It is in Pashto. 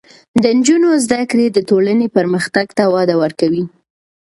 د نجونو زده کړې د ټولنې پرمختګ ته وده ورکوي.